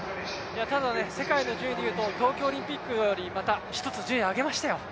ただ世界の順位でいうと東京オリンピックより１つ順位を上げましたよ。